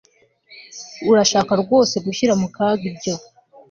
Urashaka rwose gushyira mu kaga ibyo